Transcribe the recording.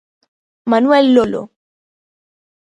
Manuel Lolo.